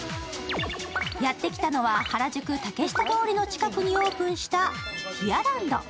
やって来たのは原宿竹下通りの近くにオープンしたＴｉｅｒｌａｎｄ。